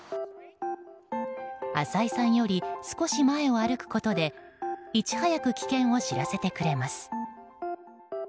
浅井さんより少し前を歩くことでいち早く危険を知らせてくれます。